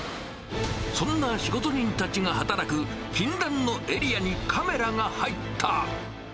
そんな仕事人たちが働く禁断のエリアにカメラが入った！